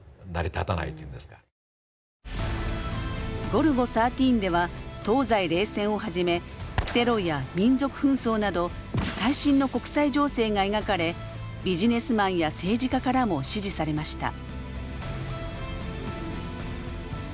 「ゴルゴ１３」では東西冷戦をはじめテロや民族紛争など最新の国際情勢が描かれビジネスマンや政治家からも支持されました。